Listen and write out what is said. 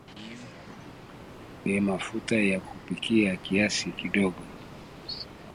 Mafuta ya kupikia kiasi kidogo